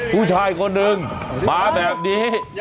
ผู้ชายคนหนึ่งมาแบบนี้